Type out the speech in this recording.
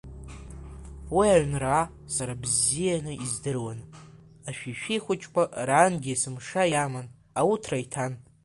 Уи аҩнра сара ибзиан издыруан, ашәишәи хәыҷқәа рангьы есымша иаман ауҭра иҭан.